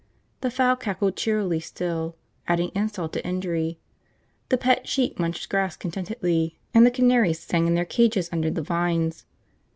The fowl cackled cheerily still, adding insult to injury, the pet sheep munched grass contentedly, and the canaries sang in their cages under the vines.